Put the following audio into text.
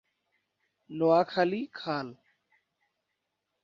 নোয়াখালী খাল